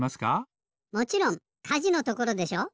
もちろんかじのところでしょ？